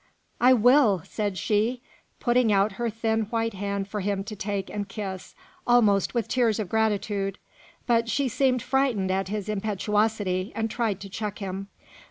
"I will!" said she, putting out her thin white hand for him to take and kiss, almost with tears of gratitude, but she seemed frightened at his impetuosity, and tried to check him.